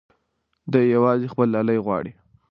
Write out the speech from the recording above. دی یوازې خپل لالی غواړي.